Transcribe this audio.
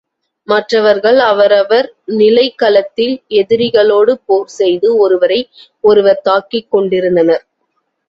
மற்றவர்கள் அவரவர் நிலைக்களத்தில் எதிரிகளோடு போர் செய்து ஒருவரை ஒருவர் தாக்கிக் கொண்டிருந்தனர்.